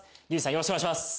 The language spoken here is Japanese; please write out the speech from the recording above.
よろしくお願いします